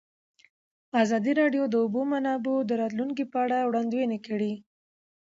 ازادي راډیو د د اوبو منابع د راتلونکې په اړه وړاندوینې کړې.